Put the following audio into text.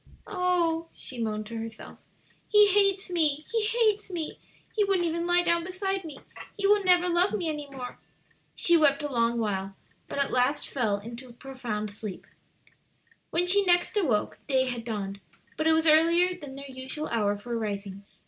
"Oh," she moaned to herself, "he hates me, he hates me! he wouldn't even lie down beside me! he will never love me any more." She wept a long while, but at last fell into a profound sleep. When she next awoke day had dawned, but it was earlier than their usual hour for rising.